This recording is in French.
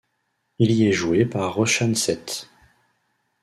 Il y est joué par Roshan Seth.